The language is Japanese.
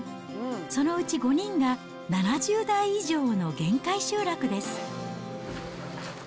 そのうち５人が７０代以上の限界集落です。